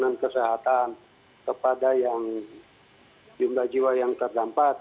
pelayanan kesehatan kepada yang jumlah jiwa yang terdampak